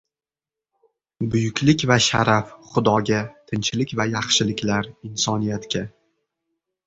• Buyuklik va sharaf — xudoga, tinchlik va yaxshiliklar — insoniyatga.